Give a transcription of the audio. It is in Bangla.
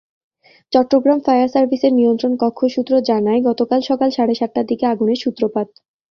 চট্টগ্রাম ফায়ার সার্ভিসের নিয়ন্ত্রণকক্ষ সূত্র জানায়, গতকাল সকাল সাড়ে সাতটার দিকে আগুনের সূত্রপাত।